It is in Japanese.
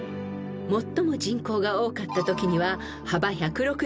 ［最も人口が多かったときには幅１６０ｍ